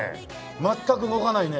全く動かないね。